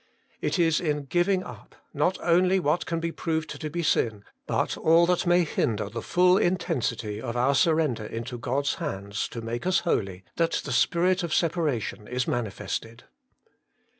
It is in giving up, not only what can be proved to be sin, but all that may hinder the full intensity of our surrender into God's hands to make us holy, that the spirit of separation is manifested.